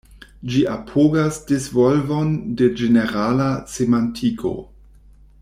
Ĝi apogas disvolvon de ĝenerala semantiko.